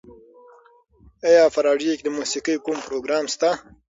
ایا په راډیو کې د موسیقۍ کوم پروګرام شته؟